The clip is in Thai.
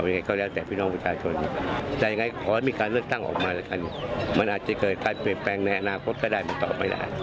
ในอนาคตก็ได้มันตอบไม่ได้